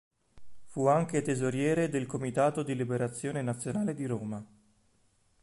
Fu anche tesoriere del Comitato di Liberazione Nazionale di Roma.